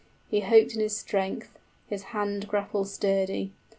} He hoped in his strength, his hand grapple sturdy.